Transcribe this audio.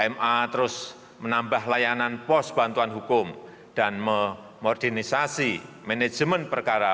ma terus menambah layanan pos bantuan hukum dan memodernisasi manajemen perkara